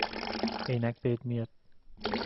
عینک بهت میاد